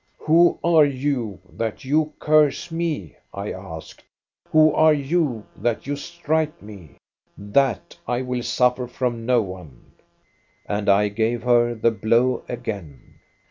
"* Who are you, that you curse me? ' I asked ;* who are you that you strike me ? That I will suffer from no one/ " And I gave her the blow again.